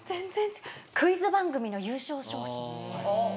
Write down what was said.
「クイズ番組の優勝賞品」。